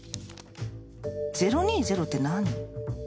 ０２０って何？